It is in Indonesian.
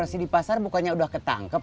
maksudnya kita harus ketangkep